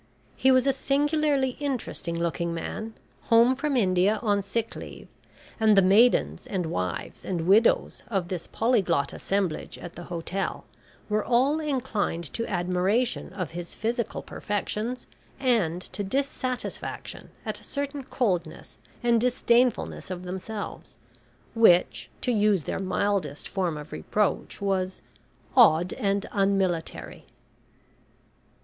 He was a singularly interesting looking man, home from India on sick leave, and the maidens, and wives, and widows, of this polyglot assemblage at the Hotel were all inclined to admiration of his physical perfections, and to dissatisfaction at a certain coldness and disdainfulness of themselves, which, to use their mildest form of reproach, was "odd and unmilitary."